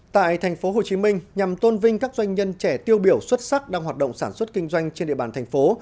tại tp hcm nhằm tôn vinh các doanh nhân trẻ tiêu biểu xuất sắc đang hoạt động sản xuất kinh doanh trên địa bàn thành phố